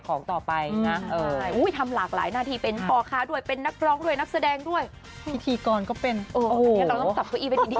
เพลงใหม่ขอเป็นแนวอับน้ำหน่อยนะแจ๊ก